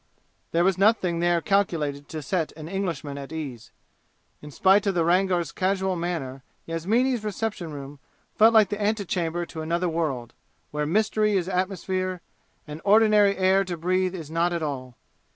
There was nothing there calculated to set an Englishman at ease. In spite of the Rangar's casual manner, Yasmini's reception room felt like the antechamber to another world, where mystery is atmosphere and ordinary air to breathe is not at all.